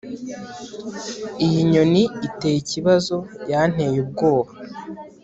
iyi nyoni iteye ikibazo yanteye ubwoba